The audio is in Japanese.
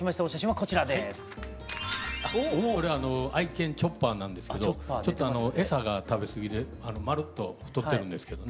これは愛犬チョッパーなんですけど餌が食べすぎでまるっと太ってるんですけどね。